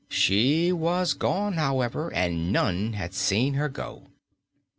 She was gone, however, and none had seen her go.